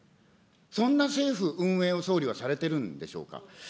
そんな政府運営を総理はされてるんでしょうか。